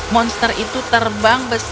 monster itu terbang besar